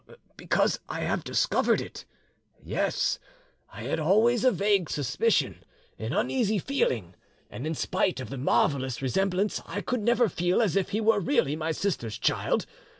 "Because I have discovered it. Yes, I had always a vague suspicion, an uneasy feeling, and in spite of the marvellous resemblance I could never feel as if he were really my sister's child.